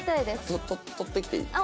ちょっと取ってきていい？